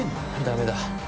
ダメだ。